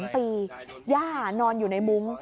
๓ปีย่านอนอยู่ในมุ้ง